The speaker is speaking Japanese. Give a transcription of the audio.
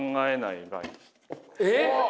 えっ？